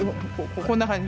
こんな感じ。